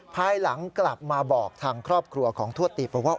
ภายหลังกลับมาบอกทางครอบครัวของทวดตีบอกว่า